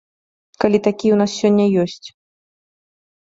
Калі такія ў нас сёння ёсць.